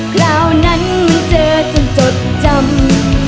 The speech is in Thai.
คราวนั้นเจอจนจดจำ